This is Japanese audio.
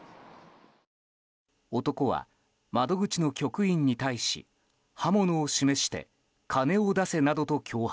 男は窓口の局員に対し刃物を示して金を出せなどと脅迫。